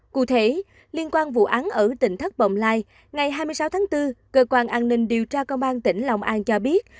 cụ thể liên quan vụ án ở tỉnh thất bồng lai ngày hai mươi sáu tháng bốn cơ quan an ninh điều tra công an tỉnh lòng an cho biết